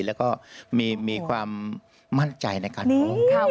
และก็มีความมั่นใจในการร้อง